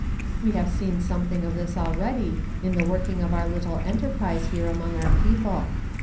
We have seen something of this already in the working of our httle enterprise here among our people.